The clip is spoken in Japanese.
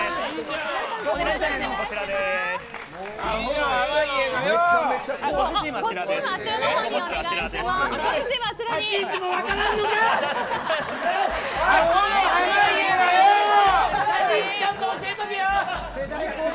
立ち位置ちゃんと教えとけよ。